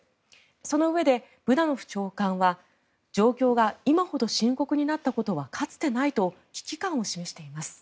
そのうえでブダノフ長官は状況が今ほど深刻になったことはかつてないと危機感を示しています。